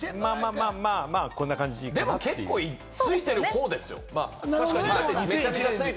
でも結構ついてるほうですよ。